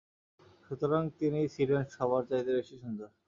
সুতরাং তিনিই ছিলেন সবার চাইতে বেশি সুন্দর।